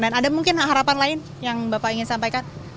dan ada mungkin harapan lain yang bapak ingin sampaikan